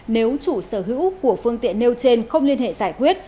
nếu chủ sở hữu của phương tiện nêu trên không liên hệ giải quyết